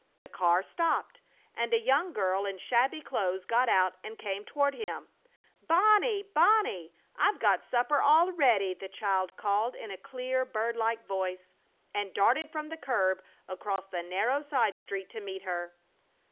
The car stopped, and a young girl in shabby clothes got out and came toward him. "Bonnie! Bonnie! I've got supper all ready!" the child called in a clear, bird like voice, and darted from the curb across the narrow side street to meet her.